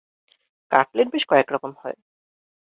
Cutlet বেশ কয়েক রকম হয়।